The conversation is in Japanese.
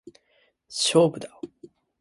勝負だー！